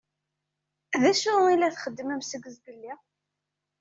D acu i la txeddmem seg zgelli?